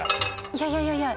いやいやいやいや。